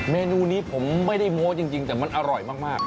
เมนูนี้ผมไม่ได้โม้จริงแต่มันอร่อยมาก